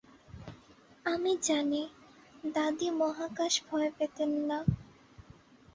আমি জানি, দাদী মহাকাশ ভয় পেতেন না।